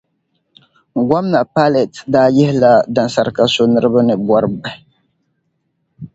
Gomna Pailɛt daa yi yihirila dansarika so niriba ni bɔri bahi.